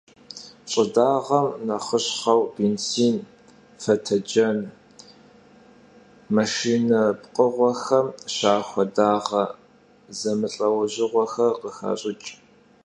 Ş'ıdağem nexhışheu bênzin, fetıcen, maşşine pkhığuexem şaxue dağe zemılh'eujığuexer khıxaş'ıç'.